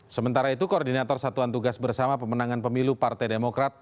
sementara itu koordinator satuan tugas bersama pemenangan pemilu partai demokrat